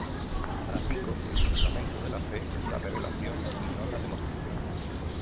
Para Pico el fundamento de la fe es la revelación y no la demostración.